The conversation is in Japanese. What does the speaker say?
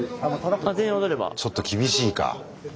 ちょっと厳しいか。